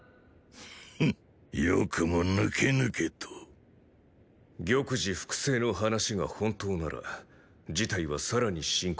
フッよくもぬけぬけと玉璽複製の話が本当なら事態はさらに深刻です。